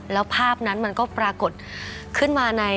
แล้วภาพนั้นมันก็ปรากฏขึ้นมาใน